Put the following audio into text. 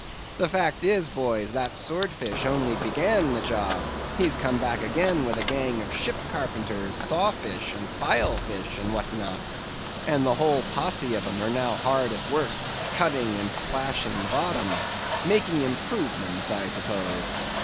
The fact is, boys, that sword fish only began the job; he's come back again with a gang of ship carpenters, saw fish, and file fish, and what not; and the whole posse of 'em are now hard at work cutting and slashing at the bottom; making improvements, I suppose.